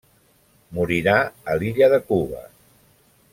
Morirà a l'illa de Cuba.